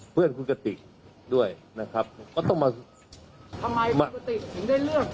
เพื่อนคุณกติกด้วยนะครับก็ต้องมาทำไมคุณกติกถึงได้เลือก